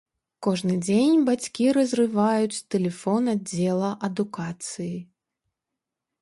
Кожны дзень бацькі разрываюць тэлефон аддзела адукацыі.